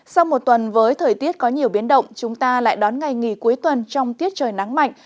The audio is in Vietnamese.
sau một tuần với thời tiết có nhiều biến động chúng ta lại đón ngày nghỉ cuối tuần trong tiết trời nắng mạnh